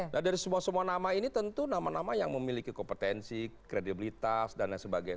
nah dari semua semua nama ini tentu nama nama yang memiliki kompetensi kredibilitas dan lain sebagainya